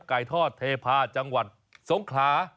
ไก่ทอดเทพาะจังหวัดสงขลา